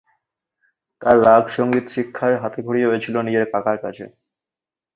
তাঁর রাগ সঙ্গীত-শিক্ষার হাতে খড়ি হয়েছিল নিজের কাকার কাছে।